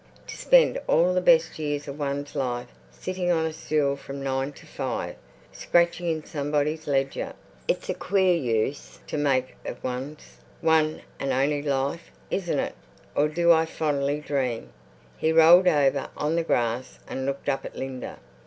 To spend all the best years of one's life sitting on a stool from nine to five, scratching in somebody's ledger! It's a queer use to make of one's... one and only life, isn't it? Or do I fondly dream?" He rolled over on the grass and looked up at Linda.